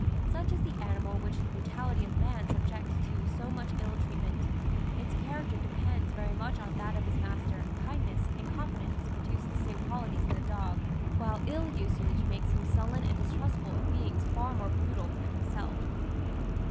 Such is the animal which the brutality of man subjects to so much ill treatment; its character depends very much on that of his master, kindness and confidence produce the same qualities in the dog, while ill usage makes him sullen and distrustful of beings far more brutal than himself.